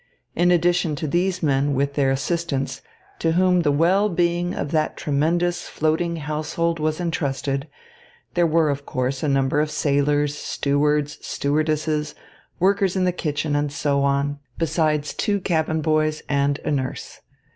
In addition to these men with their assistants, to whom the well being of that tremendous floating household was entrusted, there were, of course, a number of sailors, stewards, stewardesses, workers in the kitchen, and so on, besides two cabin boys and a nurse.